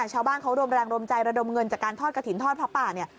ชาวบ้านเขาระดำรมใจรดมเงินจากการทอดกะถิ่นทอดพะปะเนี่ย